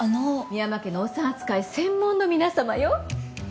深山家のお産扱い専門の皆さまよ。